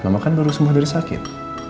lama kan baru semua dari sakit